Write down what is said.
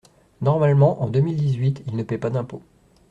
Normalement, en deux mille dix-huit, il ne paie pas d’impôt.